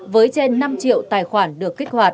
với trên năm triệu tài khoản được kích hoạt